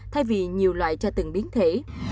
thay vì nhiều loại cho từng biến thể